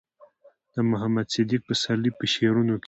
د محمد صديق پسرلي په شعرونو کې